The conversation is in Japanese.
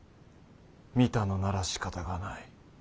見たのならしかたがない。